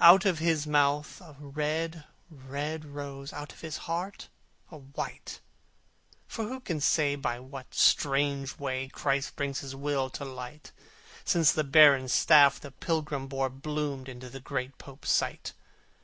Out of his mouth a red, red rose! Out of his heart a white! For who can say by what strange way, Christ brings His will to light, Since the barren staff the pilgrim bore Bloomed in the great Pope's sight?